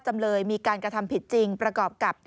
จำเลยมีการกระทำผิดจริงประกอบกับ